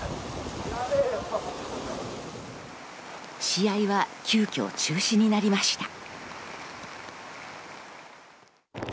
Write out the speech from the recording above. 試合は急遽中止になりました。